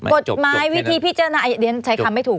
กฎหมายวิธีพิจารณาเรียนใช้คำไม่ถูก